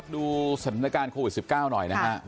ดูสถานการณ์โควิด๑๙หน่อยนะครับ